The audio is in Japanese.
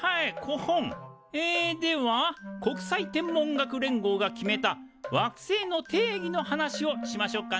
コホン！えでは国際天文学連合が決めた惑星の定義の話をしましょうかね。